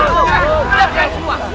tidak tidak semua